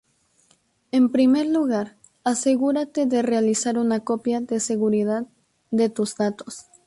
En primer lugar, asegúrate de realizar una copia de seguridad de tus datos